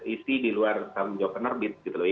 isi di luar tanggung jawab penerbit gitu loh